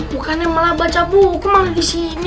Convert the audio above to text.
bukannya malah baca buku malah disini